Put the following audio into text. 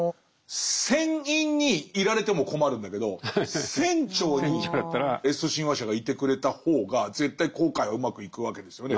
船員にいられても困るんだけど船長にＳ親和者がいてくれた方が絶対航海はうまくいくわけですよね。